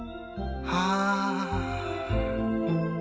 はあ。